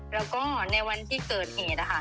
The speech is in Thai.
แล้วก็ในวันที่เกิดเหตุนะคะ